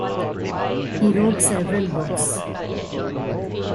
He wrote several books.